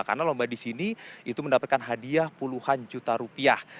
karena lomba di sini itu mendapatkan hadiah puluhan juta rupiah